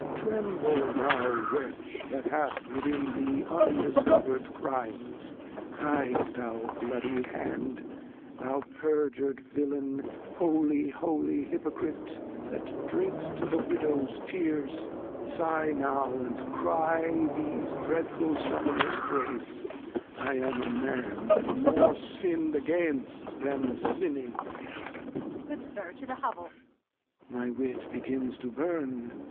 Tremble thou Wretch, That hast within thee undiscover'd Crimes ! Hide, that bloody Hand, Thou perjur'd Villain, holy Hypocrite, That drink'st the Widows Tears, sigh now, and cry These dreadful Summoners Grace, I am a Man More sin'd against, than sinning. Kent. Good Sir, to th' Hovell. Lear. My Wit begins to burn.